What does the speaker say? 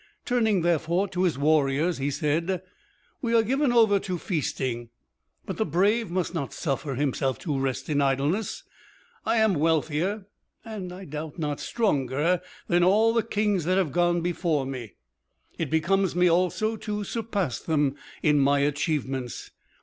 Turning, therefore, to his warriors, he said: "We are given over to feasting; but the brave must not suffer himself to rest in idleness. I am wealthier and, I doubt not, stronger than all the kings that have gone before me; it becomes me also to surpass them in my achievements.